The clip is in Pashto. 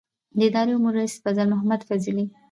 د اداره امور رئیس فضل محمود فضلي